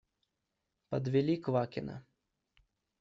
Подвели Квакина.